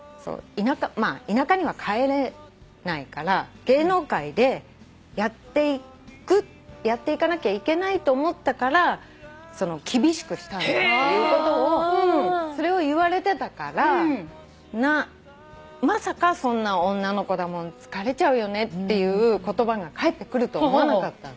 田舎には帰れないから芸能界でやっていかなきゃいけないと思ったから厳しくしたんだっていうことをそれを言われてたからまさかそんな女の子だもん疲れちゃうよねっていう言葉が返ってくると思わなかった。